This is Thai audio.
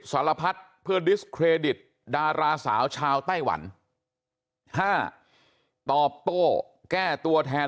สารพัดเพื่อดิสเครดิตดาราสาวชาวไต้หวันห้าตอบโต้แก้ตัวแทน